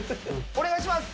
お願いします。